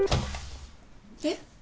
えっ？